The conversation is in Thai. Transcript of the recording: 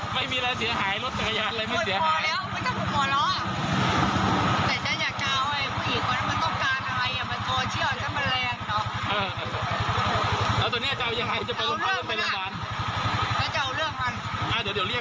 ก็เห็นว่ามันรถล้มตรงนี้ไปไหนมาไปไหนนะมาจากชนบุรีมาจากชนบุรี